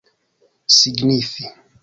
signifi